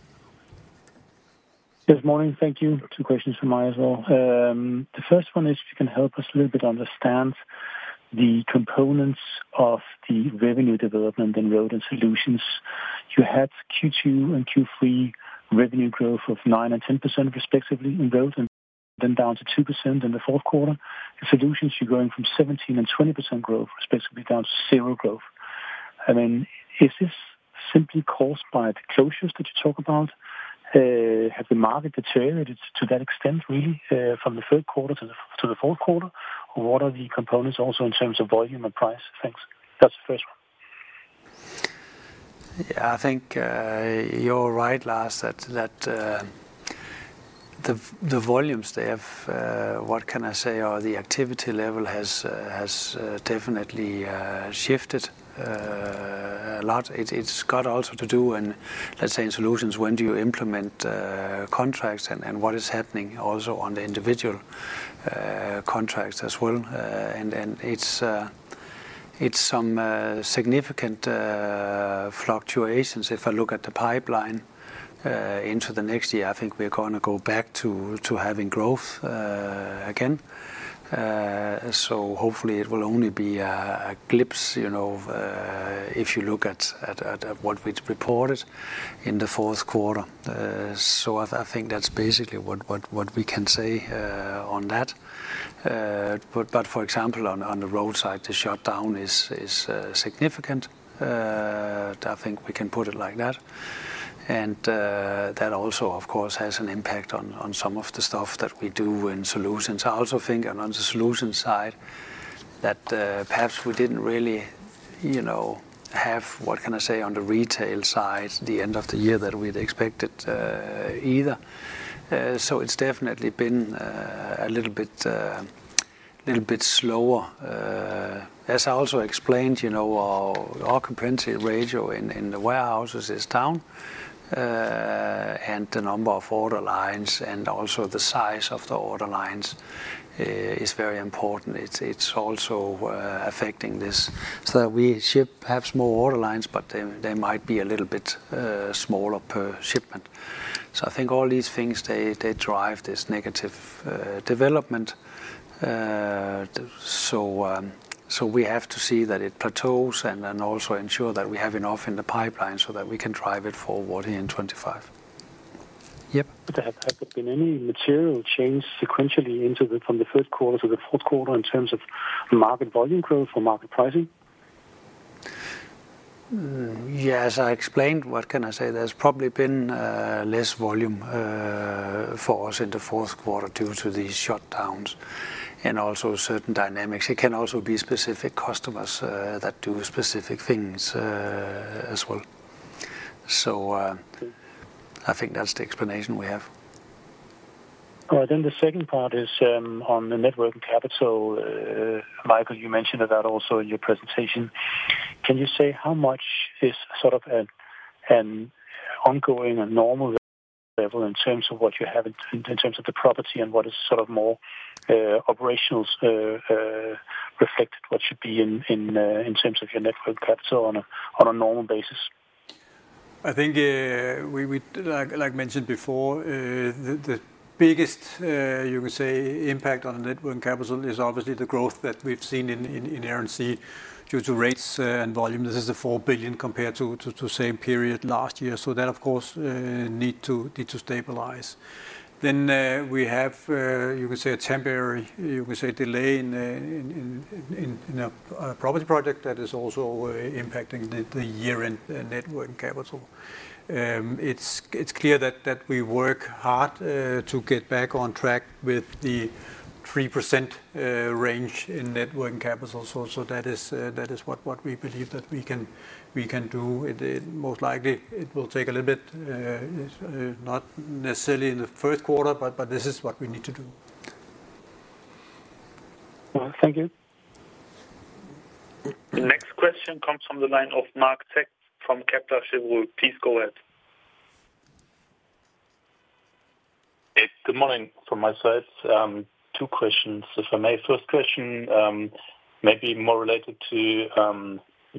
Yes, morning. Thank you. Two questions from me as well. The first one is if you can help us a little bit understand the components of the revenue development in Road and Solutions. You had Q2 and Q3 revenue growth of 9% and 10% respectively in Road, and then down to 2% in the fourth quarter. In Solutions, you're going from 17% and 20% growth respectively down to zero growth. I mean, is this simply caused by the closures that you talk about? Has the market deteriorated to that extent really from the third quarter to the fourth quarter? What are the components also in terms of volume and price things? That's the first one. Yeah, I think you're right, Lars, that the volumes there, what can I say, or the activity level has definitely shifted a lot. It's got also to do, and let's say in Solutions, when do you implement contracts and what is happening also on the individual contracts as well. And it's some significant fluctuations. If I look at the pipeline into the next year, I think we're going to go back to having growth again. So hopefully it will only be a glimpse if you look at what we've reported in the fourth quarter. So I think that's basically what we can say on that. But for example, on the Road side, the shutdown is significant. I think we can put it like that. And that also, of course, has an impact on some of the stuff that we do in Solutions. I also think on the Solutions side that perhaps we didn't really have, what can I say, on the retail side, the end of the year that we'd expected either. So it's definitely been a little bit slower. As I also explained, our conversion ratio in the warehouses is down, and the number of order lines and also the size of the order lines is very important. It's also affecting this. So we ship perhaps more order lines, but they might be a little bit smaller per shipment. So I think all these things, they drive this negative development. So we have to see that it plateaus and also ensure that we have enough in the pipeline so that we can drive it forward in 2025. Yep. Has there been any material change sequentially from the third quarter to the fourth quarter in terms of market volume growth or market pricing? Yes, as I explained, what can I say? There's probably been less volume for us in the fourth quarter due to these shutdowns and also certain dynamics. It can also be specific customers that do specific things as well. So I think that's the explanation we have. All right, then the second part is on the net working capital. Michael, you mentioned about also in your presentation. Can you say how much is sort of an ongoing and normal level in terms of what you have in terms of the property and what is sort of more operational reflected, what should be in terms of your net working capital on a normal basis? I think, like mentioned before, the biggest, you can say, impact on net working capital is obviously the growth that we've seen in Air & Sea due to rates and volume. This is the 4 billion compared to the same period last year. So that, of course, needs to stabilize. Then we have, you can say, a temporary, you can say, delay in a property project that is also impacting the year-end net working capital. It's clear that we work hard to get back on track with the 3% range in net working capital. So that is what we believe that we can do. Most likely, it will take a little bit, not necessarily in the first quarter, but this is what we need to do. All right. Thank you. The next question comes from the line of Marc Zeck from Kepler Cheuvreux. Please go ahead. Good morning from my side. Two questions, if I may. First question, maybe more related to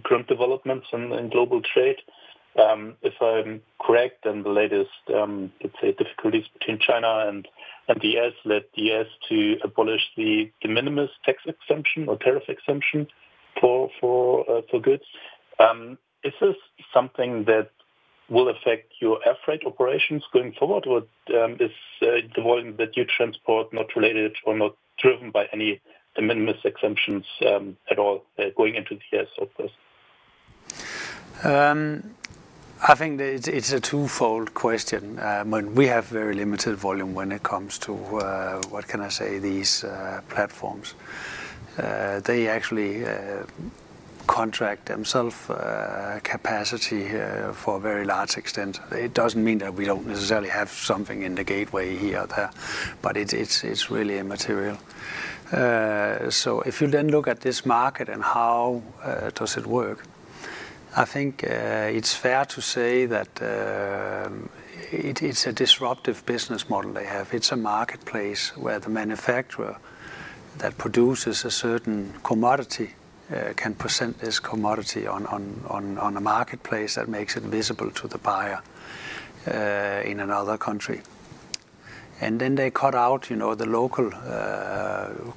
current developments in global trade. If I'm correct, then the latest, let's say, difficulties between China and the U.S. led the U.S. to abolish the de minimis tax exemption or tariff exemption for goods. Is this something that will affect your air freight operations going forward, or is the volume that you transport not related or not driven by any de minimis exemptions at all going into the U.S., of course? I think it's a twofold question. We have very limited volume when it comes to, what can I say, these platforms. They actually contract themselves capacity for a very large extent. It doesn't mean that we don't necessarily have something in the gateway here or there, but it's really immaterial. So if you then look at this market and how does it work? I think it's fair to say that it's a disruptive business model they have. It's a marketplace where the manufacturer that produces a certain commodity can present this commodity on a marketplace that makes it visible to the buyer in another country. And then they cut out the local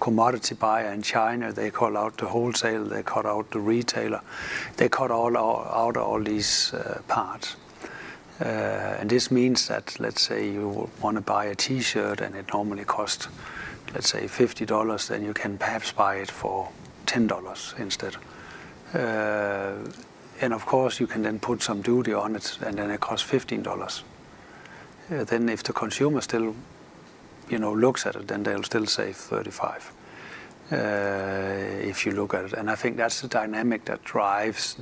commodity buyer in China. They cut out the wholesaler. They cut out the retailer. They cut out all these parts. And this means that, let's say, you want to buy a T-shirt and it normally costs, let's say, $50, then you can perhaps buy it for $10 instead. And of course, you can then put some duty on it, and then it costs $15. Then if the consumer still looks at it, then they'll still say $35 if you look at it. And I think that's the dynamic that drives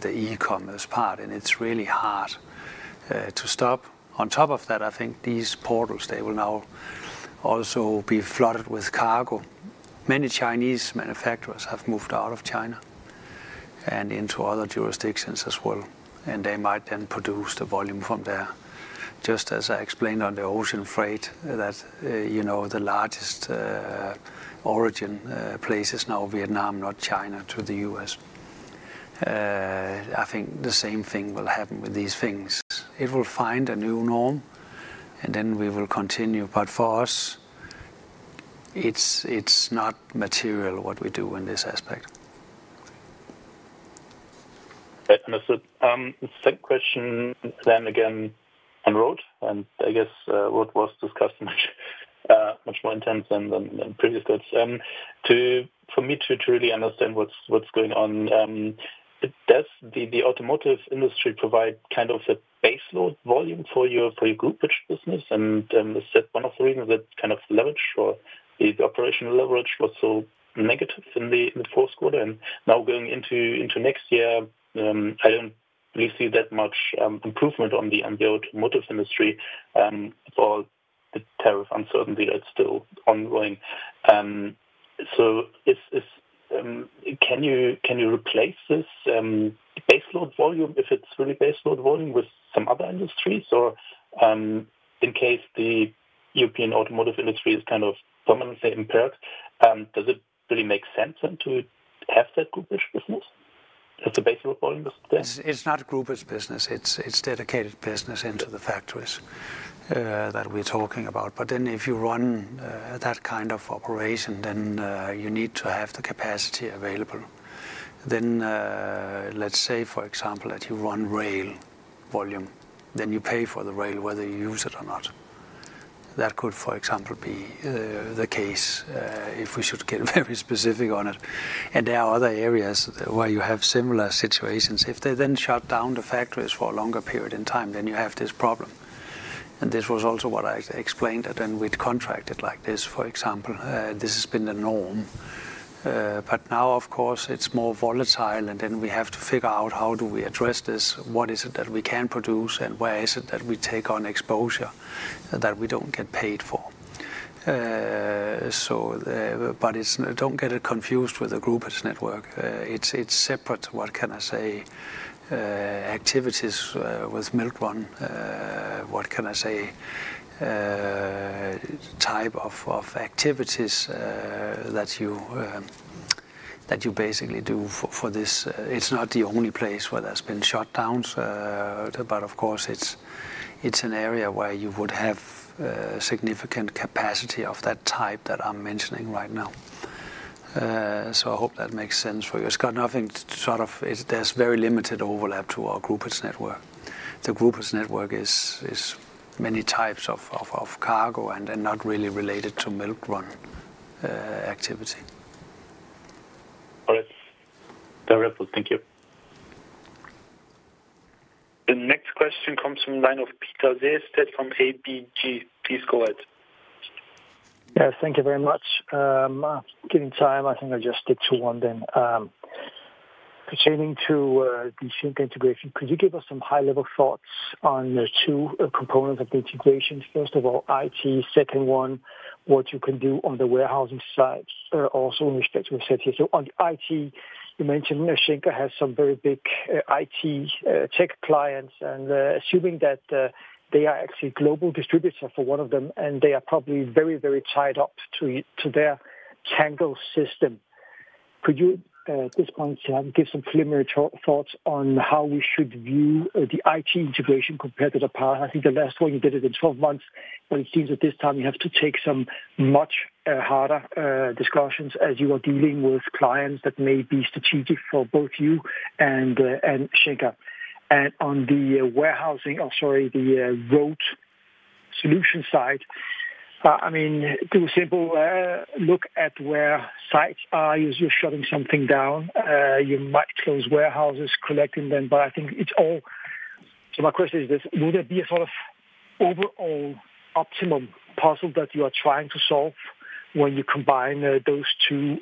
the e-commerce part, and it's really hard to stop. On top of that, I think these portals, they will now also be flooded with cargo. Many Chinese manufacturers have moved out of China and into other jurisdictions as well. And they might then produce the volume from there, just as I explained on the ocean freight, that the largest origin place is now Vietnam, not China, to the U.S. I think the same thing will happen with these things. It will find a new norm, and then we will continue. But for us, it's not material what we do in this aspect. Okay. The second question then again on Road, and I guess Road was discussed much more in terms of than previously. For me to really understand what's going on, does the automotive industry provide kind of a baseload volume for your group, which business? And is that one of the reasons that kind of leverage or the operational leverage was so negative in the fourth quarter? And now going into next year, I don't really see that much improvement on the automotive industry for the tariff uncertainty that's still ongoing. So can you replace this baseload volume, if it's really baseload volume, with some other industries? Or in case the European automotive industry is kind of permanently impaired, does it really make sense then to have that group-based business? Is the baseload volume the same? It's not a group-based business. It's dedicated business into the factories that we're talking about. But then if you run that kind of operation, then you need to have the capacity available. Then let's say, for example, that you run rail volume, then you pay for the rail whether you use it or not. That could, for example, be the case if we should get very specific on it. And there are other areas where you have similar situations. If they then shut down the factories for a longer period in time, then you have this problem. And this was also what I explained that then we'd contract it like this, for example. This has been the norm. But now, of course, it's more volatile, and then we have to figure out how do we address this, what is it that we can produce, and where is it that we take on exposure that we don't get paid for. But don't get it confused with a group-based network. It's separate, what can I say, activities with milk run, what can I say, type of activities that you basically do for this. It's not the only place where there's been shutdowns, but of course, it's an area where you would have significant capacity of that type that I'm mentioning right now. So I hope that makes sense for you. It's got nothing sort of. There's very limited overlap to our group-based network. The group-based network is many types of cargo and then not really related to milk run activity. All right. Very helpful. Thank you. The next question comes from the line of Peter Sehested from ABG. Please go ahead. Yes. Thank you very much. Given time, I think I'll just stick to one then. Pertaining to the Schenker integration, could you give us some high-level thoughts on the two components of the integration? First of all, IT. Second one, what you can do on the warehousing side also in respect to what we said here. So on IT, you mentioned Schenker has some very big IT tech clients, and assuming that they are actually global distributors for one of them, and they are probably very, very tied up to their TANGO system. Could you, at this point, give some preliminary thoughts on how we should view the IT integration compared to the past? I think the last one you did it in 12 months, but it seems that this time you have to take some much harder discussions as you are dealing with clients that may be strategic for both you and Schenker. And on the warehousing, or sorry, the Road Solutions side, I mean, do a simple look at where sites are. You're shutting something down. You might close warehouses collecting them, but I think it's all. So my question is this. Would there be a sort of overall optimum puzzle that you are trying to solve when you combine those two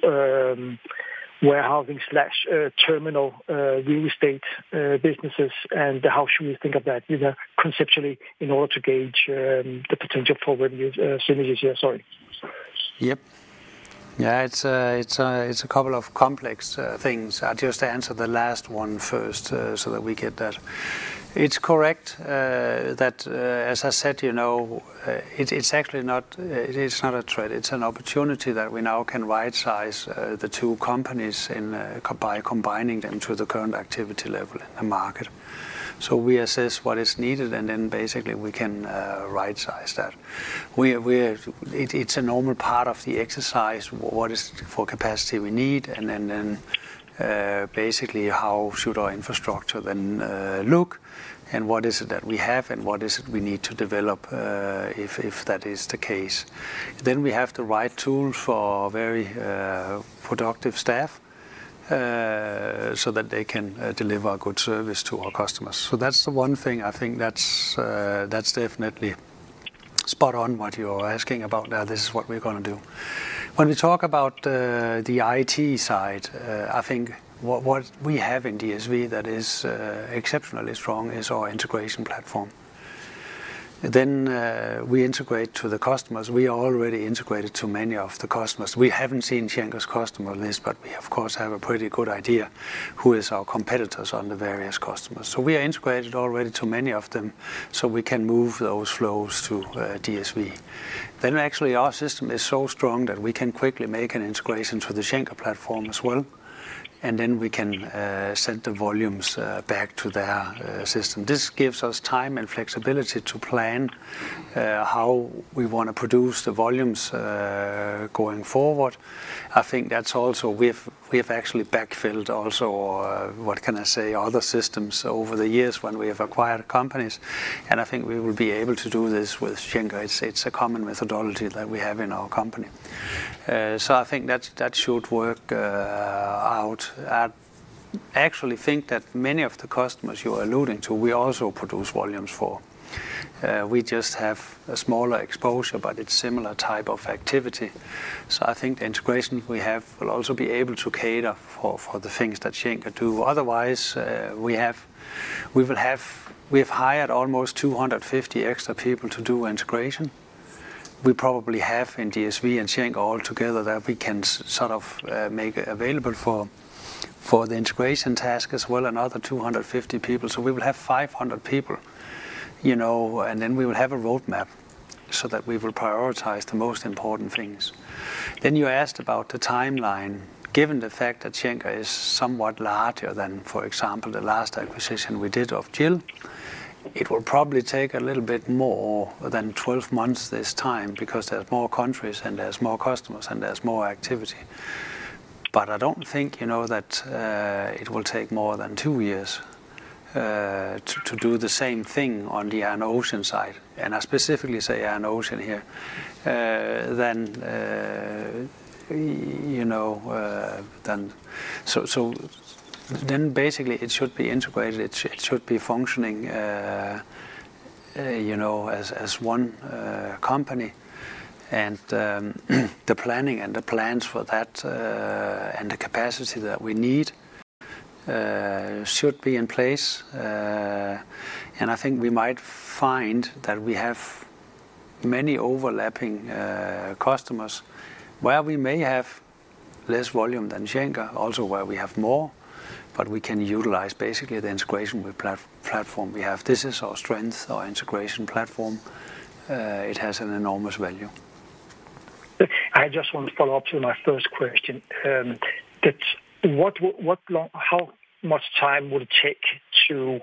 warehousing/terminal real estate businesses? And how should we think of that conceptually in order to gauge the potential for revenue synergies here? Sorry. Yep. Yeah. It's a couple of complex things. I'll just answer the last one first so that we get that. It's correct that, as I said, it's actually not a threat. It's an opportunity that we now can right-size the two companies by combining them to the current activity level in the market, so we assess what is needed, and then basically we can right-size that. It's a normal part of the exercise. What is the capacity we need? And then basically how should our infrastructure then look, and what is it that we have? And what is it we need to develop if that is the case, then we have the right tools for very productive staff so that they can deliver a good service to our customers, so that's the one thing. I think that's definitely spot on what you're asking about now. This is what we're going to do. When we talk about the IT side, I think what we have in DSV that is exceptionally strong is our integration platform. Then we integrate to the customers. We are already integrated to many of the customers. We haven't seen Schenker's customer list, but we, of course, have a pretty good idea who are our competitors on the various customers. So we are integrated already to many of them, so we can move those flows to DSV. Then actually our system is so strong that we can quickly make an integration to the Schenker platform as well. And then we can send the volumes back to their system. This gives us time and flexibility to plan how we want to produce the volumes going forward. I think that's also we have actually backfilled also, what can I say, other systems over the years when we have acquired companies, and I think we will be able to do this with Schenker. It's a common methodology that we have in our company, so I think that should work out. I actually think that many of the customers you are alluding to, we also produce volumes for. We just have a smaller exposure, but it's similar type of activity, so I think the integration we have will also be able to cater for the things that Schenker do. Otherwise, we will have hired almost 250 extra people to do integration. We probably have in DSV and Schenker all together that we can sort of make available for the integration task as well and other 250 people, so we will have 500 people. And then we will have a roadmap so that we will prioritize the most important things. Then you asked about the timeline. Given the fact that Schenker is somewhat larger than, for example, the last acquisition we did of GIL, it will probably take a little bit more than 12 months this time because there's more countries and there's more customers and there's more activity. But I don't think that it will take more than two years to do the same thing on the ocean side. And I specifically say ocean here. Then basically it should be integrated. It should be functioning as one company. And the planning and the plans for that and the capacity that we need should be in place. I think we might find that we have many overlapping customers where we may have less volume than Schenker, also where we have more, but we can utilize basically the integration platform we have. This is our strength, our integration platform. It has an enormous value. I just want to follow up to my first question. How much time would it take to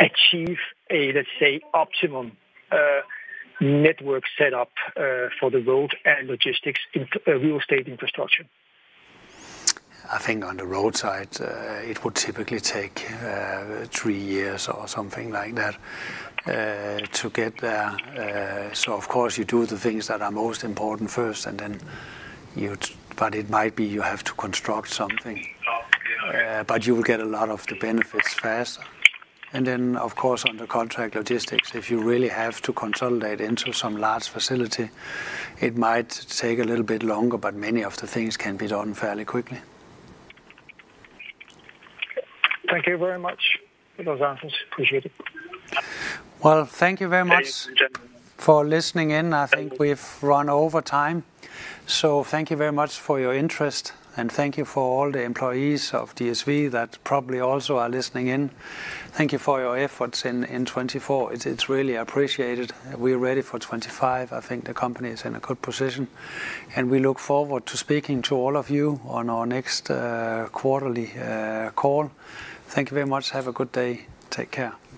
achieve a, let's say, optimum network setup for the Roads and Solutions real estate infrastructure? I think on the Road side, it would typically take three years or something like that to get there, so of course, you do the things that are most important first, but it might be you have to construct something, but you will get a lot of the benefits faster, and then, of course, on the contract logistics, if you really have to consolidate into some large facility, it might take a little bit longer, but many of the things can be done fairly quickly. Thank you very much for those answers. Appreciate it. Thank you very much for listening in. I think we've run over time. Thank you very much for your interest, and thank you for all the employees of DSV that probably also are listening in. Thank you for your efforts in 2024. It's really appreciated. We're ready for 2025. I think the company is in a good position. We look forward to speaking to all of you on our next quarterly call. Thank you very much. Have a good day. Take care.